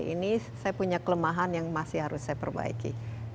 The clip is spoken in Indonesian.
ini saya punya kelemahan yang masih harus saya perbaiki